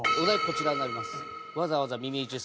こちらになります。